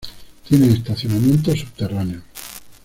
Tiene estacionamientos subterráneos.